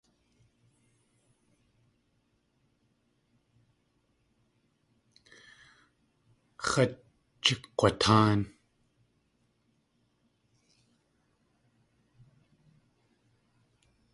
X̲at jikg̲watáan.